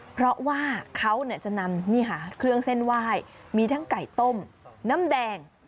เพราะว่าเขาจะนำเครื่องเส้นไหว้มีทั้งไก่ต้มน้ำแดง